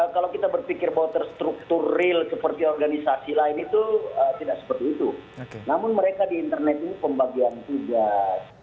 kalau kita berpikir bahwa terstruktur real seperti organisasi lain itu tidak seperti itu